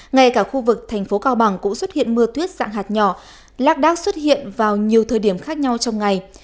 ngay cả khu vực thành phố cao bằng cũng xuất hiện mưa tuyết dạng hạt nhỏ lác đác xuất hiện vào nhiều thời điểm khác nhau trong ngày